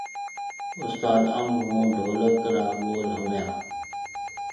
استاد انب ھونڍولڪ را ٻول ۿڻيا